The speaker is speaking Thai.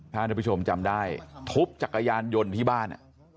ถ้าท่านผู้ชมจำได้ทุบจักรยานยนต์ที่บ้าน